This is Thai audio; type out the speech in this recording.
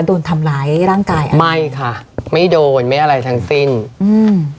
โดนทำร้ายร่างกายอ่ะไม่ค่ะไม่โดนไม่อะไรทั้งสิ้นอืม